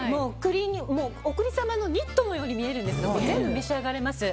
お栗様のニットのように見えるんですが全部召し上がれます。